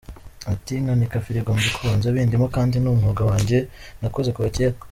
Ati “Nkanika firigo mbikunze , bindimo kandi ni umwuga wanjye nakoze kuva kera .